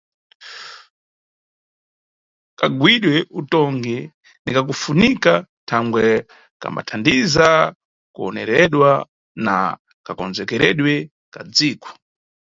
Kagawidwe Utongi ni kakufunika thangwe kambathandiza kawonereredwe na kakonzekeredwe ka dziko.